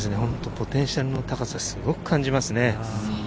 ポテンシャルの高さをすごく感じますね。